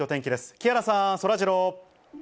木原さん、そらジロー。